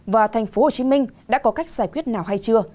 và tp hcm đã có cách giải quyết nào hay chưa